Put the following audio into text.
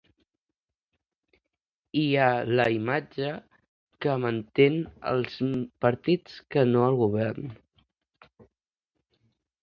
Hi ha la imatge que manen més els partits que no el govern.